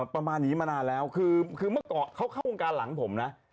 ประมาณนี้มานานแล้วคือเมื่อก่อนเขาเข้าวงการหลังผมนะ